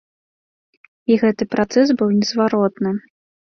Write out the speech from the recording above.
І гэты працэс быў незваротны.